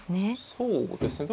そうですね。